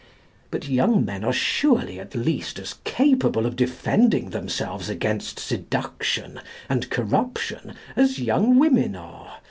But young men are surely at least as capable of defending themselves against seduction and corruption as young women are.